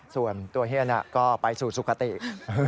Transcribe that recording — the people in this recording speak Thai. ส่วนตัวเฮียนก็ไปสู่สุขติ